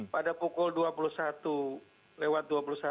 pada pukul dua puluh satu lewat dua puluh satu